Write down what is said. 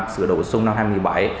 sửa đổ sung năm hai nghìn một mươi bảy